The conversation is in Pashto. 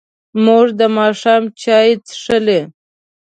موږ د ماښام چای څښلی.